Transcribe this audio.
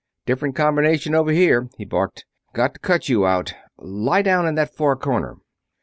"Different combination over here!" he barked. "Got to cut you out lie down in that far corner!"